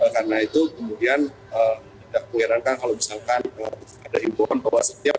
karena itu kemudian tidak mengirankan kalau misalkan ada imporan bahwa setiap jemput